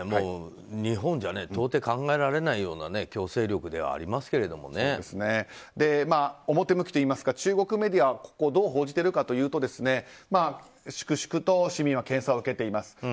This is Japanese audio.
日本じゃ到底考えられないような表向きといいますか中国メディアはこれをどう報じているかというと粛々と市民は検査を受けています。